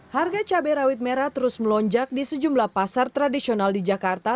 harga cabai rawit merah terus melonjak di sejumlah pasar tradisional di jakarta